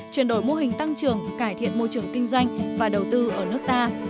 chuyển đổi mô hình tăng trưởng cải thiện môi trường kinh doanh và đầu tư ở nước ta